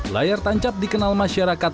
layar tancap dikenal masyarakat